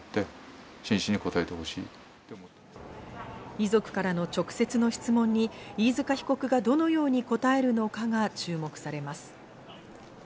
遺族からの直接の質問に飯塚被告がどのように答えるのかが注目されます。